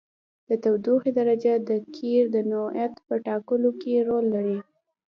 د تودوخې درجه د قیر د نوعیت په ټاکلو کې رول لري